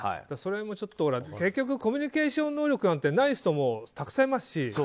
それも結局コミュニケーション能力なんてない人もたくさんいますし。